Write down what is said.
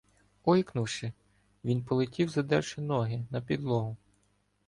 Ойкнувши, він полетів, задерши ноги, на підлогу.